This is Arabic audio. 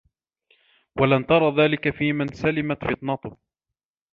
وَلَنْ تَرَى ذَلِكَ فِيمَنْ سَلِمَتْ فِطْنَتُهُ